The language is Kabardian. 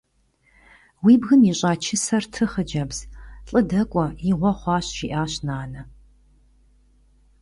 «Уи бгым ищӀа чысэр ты, хъыджэбз. ЛӀы дэкӀуэ. Игъуэ хъуащ!», – жиӀащ нанэ.